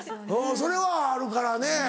それはあるからね。